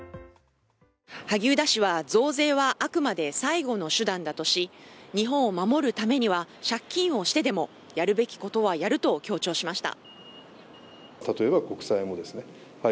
萩生田氏は増税はあくまで最後の手段だとし日本を守るためには借金をしてでもやるべきことはやると強調しました。